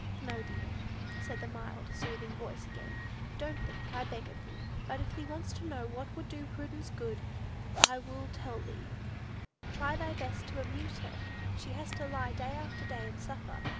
"No, dear," said the mild, soothing voice again; "don't think, I beg of thee; but if thee wants to know what would do Prudence good, I will tell thee: try thy best to amuse her. She has to lie day after day and suffer.